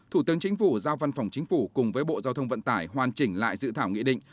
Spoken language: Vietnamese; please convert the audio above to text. thủ tướng chính phủ giao văn phòng chính phủ cùng với bộ giao thông vận tải hoàn chỉnh lại dự thảo nghị định